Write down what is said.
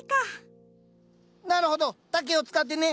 なるほど竹を使ってね！